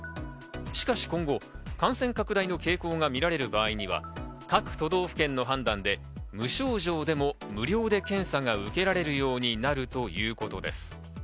しかし今後、感染拡大の傾向が見られる場合には各都道府県の判断で無症状でも無料で検査が受けられるようになるということです。